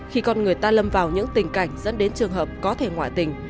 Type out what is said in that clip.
khi con người ta lâm vào những tình cảnh dẫn đến trường hợp có thể ngoại tình